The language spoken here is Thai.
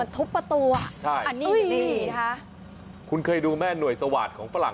มันทุบประตูอะใช่อันนี้เห็นคุณเคยดูแม่หน่วยสวาสตร์ของฝรั่ง